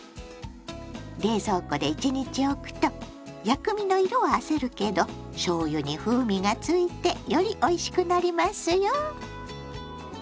冷蔵庫で１日おくと薬味の色はあせるけどしょうゆに風味がついてよりおいしくなりますよ。